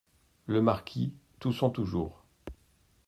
Le Marquis , toussant toujours.